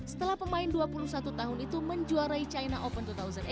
setelah pemain dua puluh satu tahun itu menjuarai china open dua ribu delapan belas